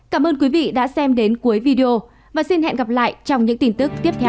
cảm ơn quý vị đã xem đến cuối video và xin hẹn gặp lại trong những tin tức tiếp theo